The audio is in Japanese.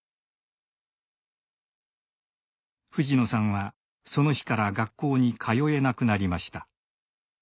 藤野さんはその日から学校に通えなくなりました。